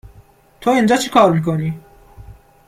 تو این جا چی کار میکنی؟